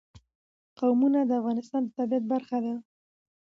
قومونه د افغانستان د طبیعت برخه ده.